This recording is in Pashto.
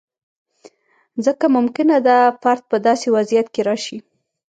ځکه ممکنه ده فرد په داسې وضعیت کې راشي.